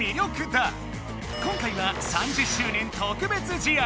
今回は３０周年特別試合！